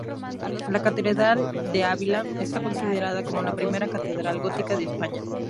La catedral de Ávila está considerada como la primera catedral gótica de España.